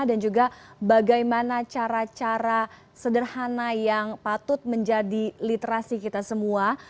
dan juga bagaimana cara cara sederhana yang patut menjadi literasi kita semua